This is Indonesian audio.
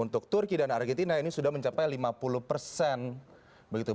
untuk turki dan argentina ini sudah mencapai lima puluh persen begitu